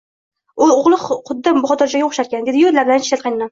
O`g`li xudda Botirjonga o`xsharkan, dedi-yu labini tishladi qaynonam